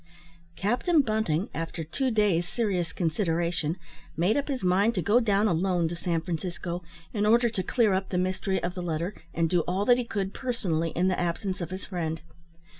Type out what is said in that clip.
Captain Bunting, after two days' serious consideration, made up his mind to go down alone to San Francisco, in order to clear up the mystery of the letter, and do all that he could personally in the absence of his friend.